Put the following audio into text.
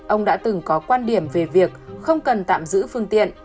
ông đã từng có quan điểm về việc không cần tạm giữ phương tiện